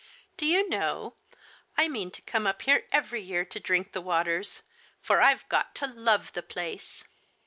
" Do you know, I mean to come up here every year to drink the waters, for I've got to love the place